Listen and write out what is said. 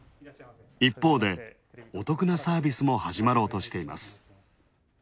一方で、お得なサービスも始まろうとしています。